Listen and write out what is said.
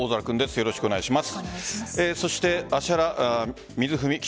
よろしくお願いします。